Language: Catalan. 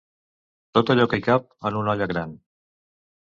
Tot allò que hi cap en una olla gran.